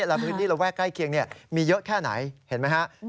และพื้นที่ระแวกใกล้เคียงมีเยอะแค่ไหนเห็นไหมฮะ